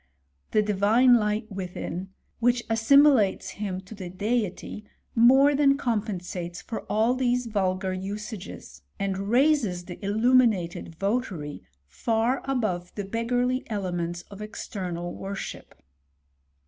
The divine light within, which assimilates him to the Deity, more than compensates for all these vulgar usages, and raises the illuminated votary far above the beggarly elements of external worship.